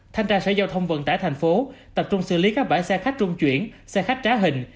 thanh tra sở giao thông vận tải thành phố tập trung xử lý các bãi xe khách trung chuyển xe khách trá hình